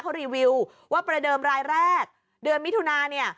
เขารีวิวว่าประเดิมรายแรกเดือนมิถุนาเนี่ย